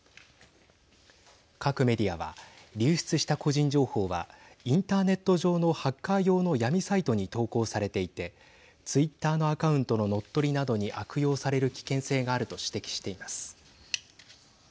各メディアは流出した個人情報はインターネット上のハッカー用の闇サイトに投稿されていてツイッターのアカウントの乗っ取りなどに悪用される危険性があると指摘しています。